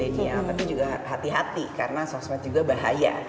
tapi juga hati hati karena sosmed juga bahaya